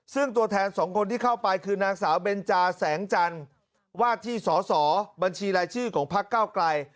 ซึ่งตัวแทนสองคนที่เข้าไปคือนางสาวเบนจาแสงจันทร์ว่าที่สอสอบัญชีรายชื่อของพักเก้าไกล